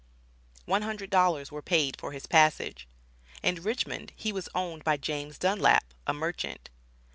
One hundred dollars were paid for his passage." In Richmond he was owned by James Dunlap, a merchant.